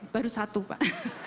baru satu pak